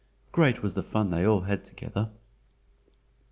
Great was the fun they all had together.